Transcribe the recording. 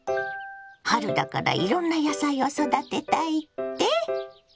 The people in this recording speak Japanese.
春だからいろんな野菜を育てたいって？